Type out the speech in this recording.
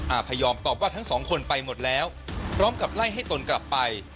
พยอมตอบว่าทั้งสองคนไปหมดแล้วพร้อมกับไล่ให้ตนกลับไป